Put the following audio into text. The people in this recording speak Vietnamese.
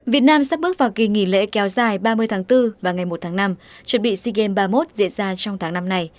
việt nam sẽ bước vào kỳ nghỉ lễ kéo dài ba mươi tháng bốn và ngày một tháng năm chuẩn bị sea games ba mươi một diễn ra trong tháng năm này